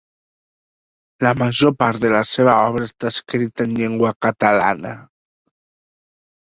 La major part de la seva obra està escrita en llengua catalana.